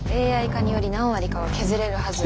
ＡＩ化により何割かは削れるはず。